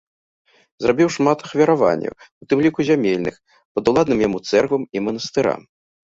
Зрабіў шмат ахвяраванняў, у тым ліку зямельных, падуладным яму цэрквам і манастырам.